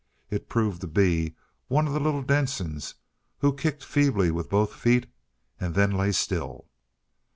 It proved to be one of the little Densons, who kicked feebly with both feet and then lay still.